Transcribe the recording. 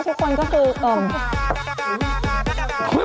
เออรถบั๊มก็มานี่